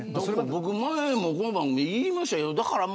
僕、前もこの番組で言いました。